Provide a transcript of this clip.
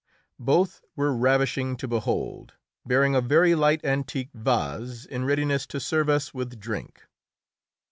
Both were ravishing to behold, bearing a very light antique vase, in readiness to serve us with drink.